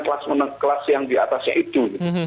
kelas yang diatasnya itu